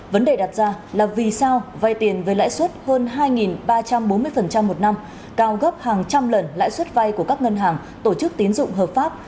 vấn đề đặt ra là vì sao vay tiền với lãi suất hơn hai ba trăm bốn mươi một năm cao gấp hàng trăm lần lãi suất vay của các ngân hàng tổ chức tiến dụng hợp pháp